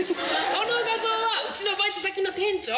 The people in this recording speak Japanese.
その画像はうちのバイト先の店長。